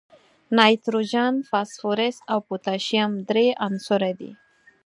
نایتروجن، فاسفورس او پوتاشیم درې عنصره دي.